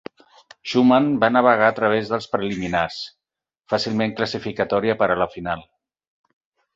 Schumann va navegar a través dels preliminars, fàcilment classificatòria per a la final.